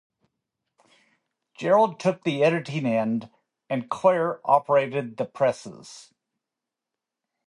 Gerald took the editing end and Clair operated the presses.